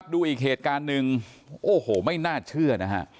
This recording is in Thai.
ดูอีกเหตุการณ์หนึ่งโอ้โหไม่น่าเชื่อนะฮะ